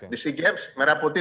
di sea games merah putih